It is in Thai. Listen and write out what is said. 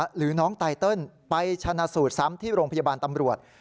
หรือน้องไตเติลไปชนะสูตรซ้ำที่โรงพยาบาลตำรวจ